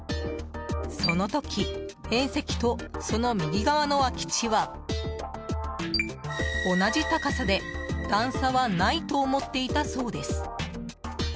その時、縁石とその右側の空き地は同じ高さで段差はないと思っていたそうです。